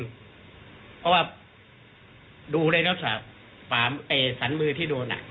เพราะว่าดูในลักษณะสันมือที่โดน